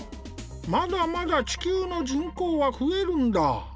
まだまだ地球の人口は増えるんだ。